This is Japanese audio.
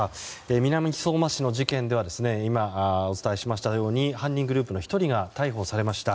南相馬市の事件では今、お伝えしましたように犯人グループの１人が逮捕されました。